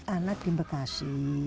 anak di bekasi